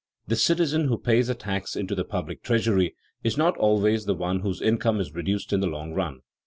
_ The citizen who pays a tax into the public treasury is not always the one whose income is reduced in the long run.